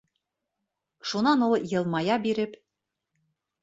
Шунан ул йылмая биреп: